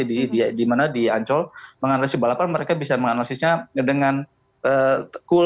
di mana di ancol menganalisis balapan mereka bisa menganalisisnya dengan cool